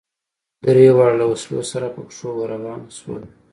درېواړه له وسلو سره په پښو ور روان شول.